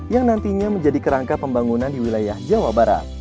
yang nantinya menjadi kerangka pembangunan di wilayah jawa barat